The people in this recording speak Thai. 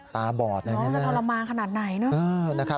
มันจะทรมานขนาดไหนนะ